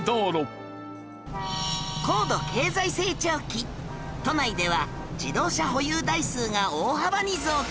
高度経済成長期都内では自動車保有台数が大幅に増加